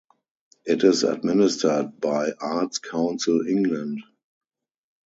It is administered by Arts Council England.